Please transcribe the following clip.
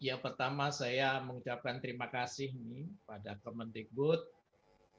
ya pertama saya mengucapkan terima kasih nih pada kementerian budi